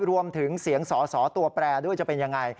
รวมถึงเสียงสอสอตัวแปรด้วยจะเป็นยังไง